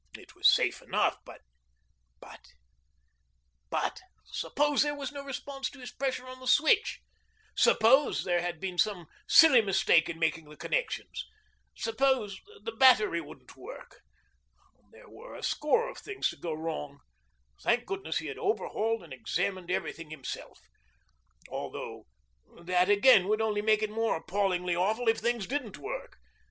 It was safe enough, but but but suppose there was no response to his pressure on the switch; suppose there had been some silly mistake in making the connections; suppose the battery wouldn't work. There were a score of things to go wrong. Thank goodness he had overhauled and examined everything himself; although that again would only make it more appallingly awful if things didn't work.